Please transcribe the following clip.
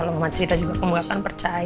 ya maksud bapak begini kan